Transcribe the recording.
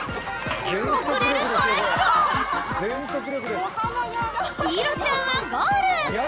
遅れるそらジロー陽彩ちゃんはゴール！